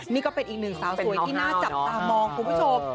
นี่ก็เป็นอีกหนึ่งสาวสวยที่น่าจับตามองคุณผู้ชม